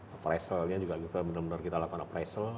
apreselnya juga kita benar benar kita lakukan apresel